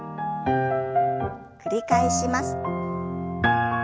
繰り返します。